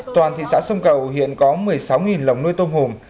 toàn thị xã sông cầu hiện có một mươi sáu lồng nuôi tôm hùm